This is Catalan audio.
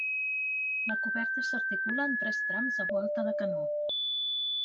La coberta s'articula en tres trams de volta de canó.